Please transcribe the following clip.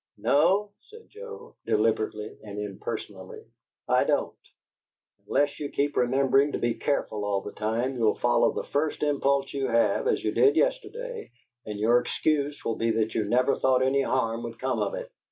"No," said Joe, deliberately and impersonally, "I don't. Unless you keep remembering to be careful all the time, you'll follow the first impulse you have, as you did yesterday, and your excuse will be that you never thought any harm would come of it.